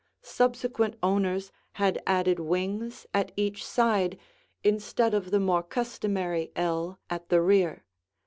Subsequent owners had added wings at each side instead of the more customary ell at the rear.